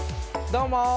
どうも！